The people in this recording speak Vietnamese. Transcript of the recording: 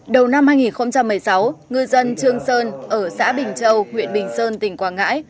đầu năm hai nghìn một mươi sáu ngư dân trương sơn ở xã bình châu huyện bình sơn tỉnh quảng ngãi